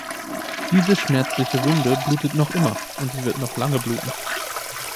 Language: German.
Diese schmerzliche Wunde blutet noch immer, und sie wird noch lange bluten.